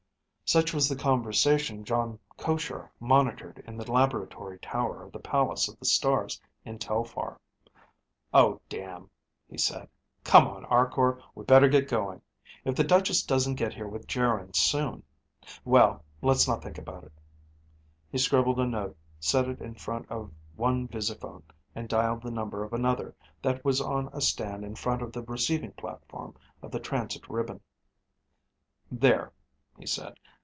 Such was the conversation Jon Koshar monitored in the laboratory tower of the Palace of the Stars in Telphar. "Oh damn," he said. "Come on, Arkor. We'd better get going. If the Duchess doesn't get here with Geryn soon.... Well, let's not think about it." He scribbled a note, set it in front of one visiphone and dialed the number of another that was on a stand in front of the receiving platform of the transit ribbon. "There," he said.